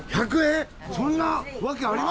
そんなわけあります？